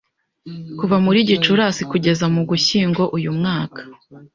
Kuva muri Gicurasi kugeza mu Ugushyingo uyu mwaka